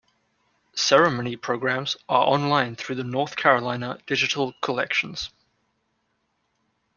Ceremony programs are online through the North Carolina Digital Collections.